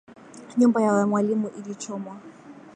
Nyumba ya mwalimu ilichomwa